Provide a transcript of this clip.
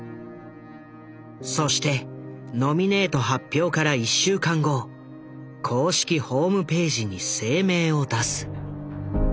そしてノミネート発表から１週間後公式ホームページに声明を出す。